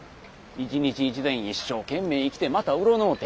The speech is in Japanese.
一日一善一生懸命生きてまた占うて。